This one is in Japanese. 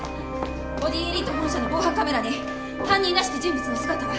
ボディエリート本社の防犯カメラに犯人らしき人物の姿が。